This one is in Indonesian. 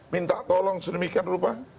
minta tolong sedemikian rupa